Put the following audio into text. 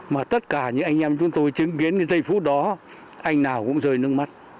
mà tất cả những anh em chúng tôi chứng kiến cái giây phút đó anh nào cũng rơi nước mắt